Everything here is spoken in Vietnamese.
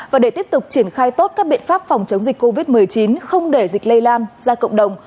và để tiếp tục triển khai tốt các biện pháp phòng chống dịch covid một mươi chín không để dịch lây lan ra cộng đồng